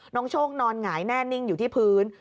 โชคนอนหงายแน่นิ่งอยู่ที่พื้น